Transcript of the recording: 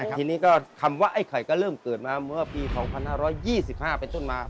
ทีนี้ก็คำว่าไอ้ไข่ก็เริ่มเกิดมาเมื่อปี๒๕๒๕เป็นต้นมา